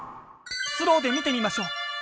スローで見てみましょう。